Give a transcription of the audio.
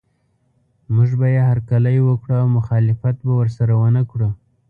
موږ به یې هرکلی وکړو او مخالفت به ورسره ونه کړو.